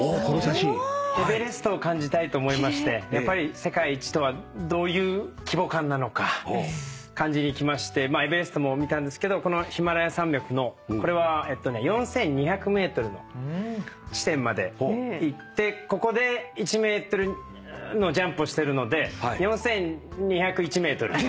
エベレストを感じたいと思いましてやっぱり世界一とはどういう規模感なのか感じに行きましてエベレストも見たんですけどこのヒマラヤ山脈のこれは４，２００ｍの地点まで行ってここで１ｍのジャンプをしてるので４，２０１ｍ。